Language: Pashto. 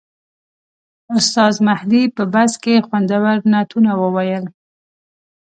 استاد مهدي په بس کې خوندور نعتونه وویل.